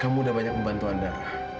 kamu udah banyak membantu anda